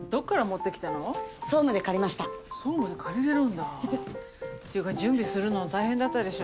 っていうか準備するの大変だったでしょ？